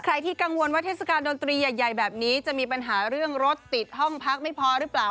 ใครที่กังวลว่าเทศกาลดนตรีใหญ่แบบนี้จะมีปัญหาเรื่องรถติดห้องพักไม่พอหรือเปล่า